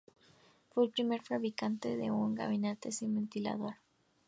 Fue el primer fabricante de un gabinete sin-ventilador.